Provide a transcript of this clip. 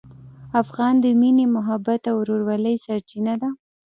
افغان د مینې، محبت او ورورولۍ سرچینه ده.